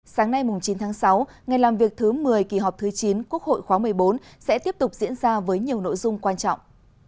sáng nay chín tháng sáu ngày làm việc thứ một mươi kỳ họp thứ chín quốc hội khóa một mươi bốn sẽ tiếp tục diễn ra với nhiều nội dung quan trọng